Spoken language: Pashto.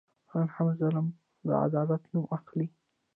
نن همدا ظلم د عدالت نوم اخلي.